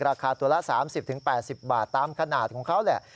ราคาตัวละ๓๐๘๐บาทตามขนาดของเขาแหละ